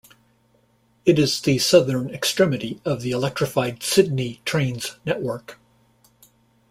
It is the southern extremity of the electrified Sydney Trains network.